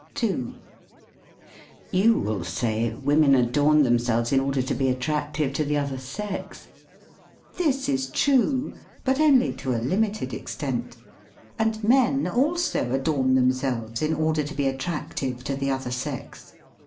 n You will say: Women adorn themselves in order to be at tractive to the other sex.'* This is true, but only to a limited extent. And men also adorn themselves in order to be attrac tive to the other sex.